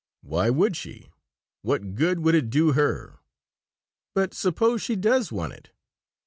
"Why should she? What good would it do her?" "But suppose she does want it?"